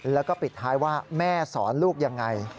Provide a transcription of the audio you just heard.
แล้วก็ปิดท้ายว่าแม่สอนลูกยังไง